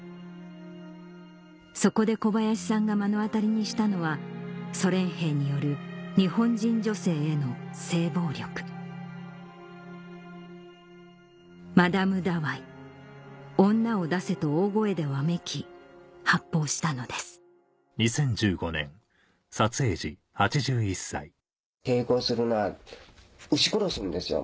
そこで小林さんが目の当たりにしたのはソ連兵による日本人女性への性暴力「マダムダワイ」「女を出せ」と大声でわめき発砲したのです抵抗するのは撃ち殺すんですよ。